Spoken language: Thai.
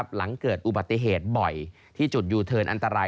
หลังเกิดอุบัติเหตุบ่อยที่จุดยูเทิร์นอันตราย